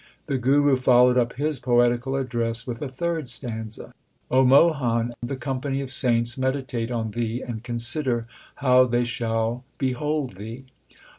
The Guru followed up his poetical address with a third stanza : O Mohan, the company of saints meditate on thee and consider how they shall behold thee.